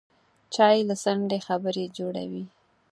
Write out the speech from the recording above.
چای د څنډې خبرې جوړوي